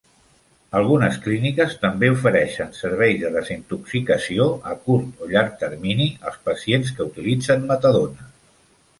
Algunes clíniques també ofereixen serveis de desintoxicació a curt o llarg termini als pacients que utilitzen metadona.